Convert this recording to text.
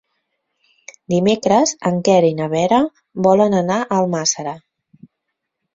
Dimecres en Quer i na Vera volen anar a Almàssera.